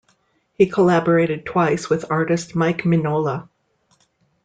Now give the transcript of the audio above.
He collaborated twice with artist Mike Mignola.